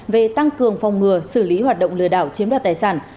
về tăng cường phòng ngừa xử lý hoạt động lừa đảo chiếm đoạt tài sản